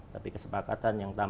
tapi kesepakatan yang terakhir